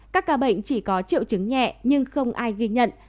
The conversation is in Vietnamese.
các ca bệnh chỉ có triệu chứng nhẹ nhưng không ai ghi nhận